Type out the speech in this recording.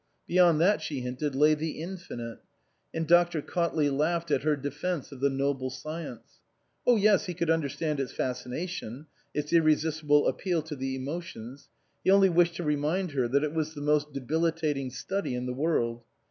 Beyond that, she hinted, lay the infinite. And Dr. Cautley laughed at her defence of the noble science. Oh yes, he could understand its fascination, its irresistible appeal to the emotions ; he only wished to remind her that it was the most debilitating study in the world.